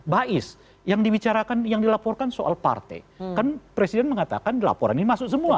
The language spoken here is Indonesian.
bais yang dibicarakan yang dilaporkan soal partai kan presiden mengatakan laporan ini masuk semua